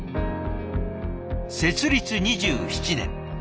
設立２７年。